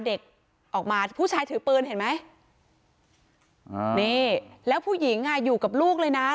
เด็กออกมาผู้ใจถือปืนเห็นมั้ยแล้วผู้หญิงอยู่กับลูกเลยไปคุย